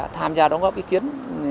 tham gia đóng góp ý kiến